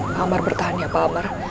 pak amar bertahan ya pak amar